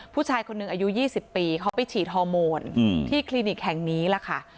ผู้ชายคนหนึ่งอายุ๒๐ปีเขาไปฉีดฮอร์โมนที่คลินิกแห่งนี้ล่ะค่ะ